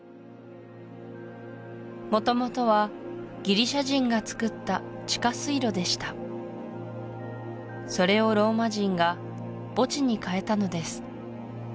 元々はギリシア人がつくった地下水路でしたそれをローマ人が墓地に変えたのです